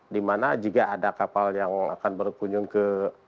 di mana jika ada kapal yang akan berkunjung ke